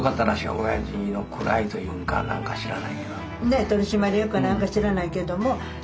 おやじの位というんか何か知らないけど。